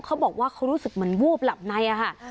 เขาบอกว่าเขารู้สึกเหมือนวูบหลับในอะค่ะ